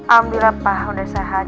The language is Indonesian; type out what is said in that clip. alhamdulillah pak udah sehat